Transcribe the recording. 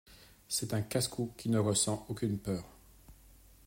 C'est un casse-cou qui ne ressent aucune peur.